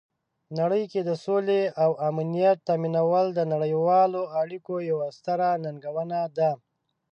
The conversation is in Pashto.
نړۍ کې د سولې او امنیت تامینول د نړیوالو اړیکو یوه ستره ننګونه ده.